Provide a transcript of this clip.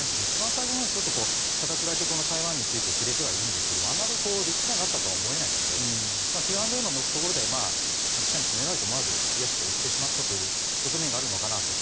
最後、形だけこの台湾について触れてはいるんですがあまり力点があったとは思えないのでＱ＆Ａのところで記者に詰められると思わずイエスと言ってしまったという面があるのかと。